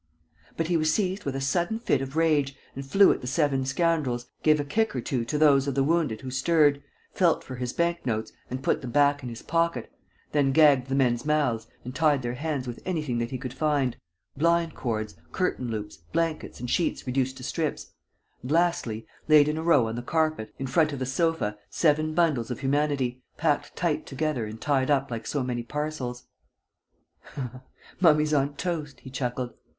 But he was seized with a sudden fit of rage and flew at the seven scoundrels, gave a kick or two to those of the wounded who stirred, felt for his bank notes and put them back in his pocket, then gagged the men's mouths and tied their hands with anything that he could find blind cords, curtain loops, blankets and sheets reduced to strips and, lastly, laid in a row on the carpet, in front of the sofa, seven bundles of humanity, packed tight together and tied up like so many parcels: "Mummies on toast!" he chuckled.